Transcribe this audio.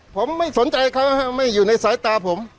ผมไม่สนใจเขาไม่อยู่ในสายตาผม